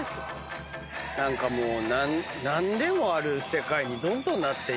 何かもう何でもある世界にどんどんなっていくね。